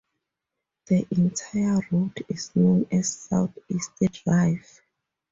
The entire route is known as Southeast Drive.